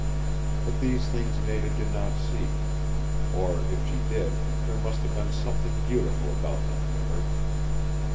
But these things Nada did not see. Or, if she did, there must have been something beautiful about them for her.